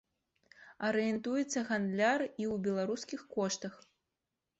Арыентуецца гандляр і ў беларускіх коштах.